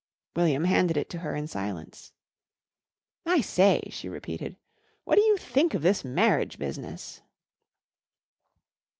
William handed it to her in silence. "I say," she repeated, "what do you think of this marriage business?"